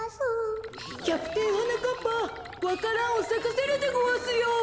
キャプテンはなかっぱわか蘭をさかせるでごわすよ。